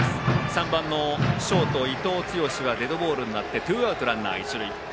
３番のショート、伊藤剛志はデッドボールでツーアウトランナー、一塁。